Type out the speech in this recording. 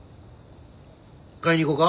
買いに行こか？